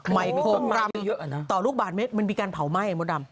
ไหมโครงกรรมต่อลูกบาทเมตรมันมีการเผาไหม้โมดำ